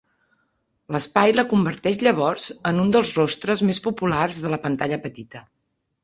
L'espai la converteix llavors, en un dels rostres més populars de la pantalla petita.